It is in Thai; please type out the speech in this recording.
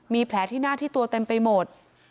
มีแผลที่หน้าที่ตัวเต็มไปหมด